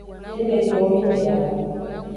Fine towo nyi edawo.